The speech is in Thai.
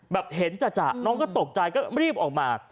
แบบเห็นจ่ะน้องก็ตกใจก็รีบออกมา